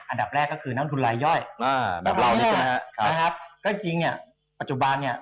อันดับแรกก็คือนักลงทุนลายย่อย